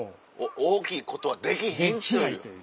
大きいことはできひんという。